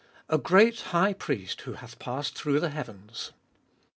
A great High Priest who hath passed through the heavens.